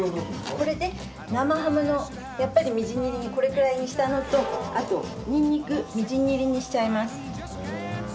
これで生ハムみじん切りにこれくらいにしたのとあとニンニクみじん切りにしちゃいます。